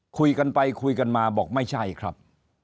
คุยกันไปคุยกันมาบอกไม่ใช่ครับ